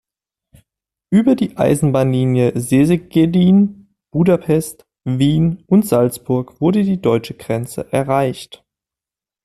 Über die Eisenbahnlinie Szegedin, Budapest, Wien und Salzburg wurde die deutsche Grenze erreicht.